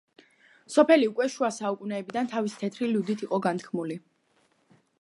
სოფელი უკვე შუა საუკუნეებიდან თავისი „თეთრი ლუდით“ იყო განთქმული.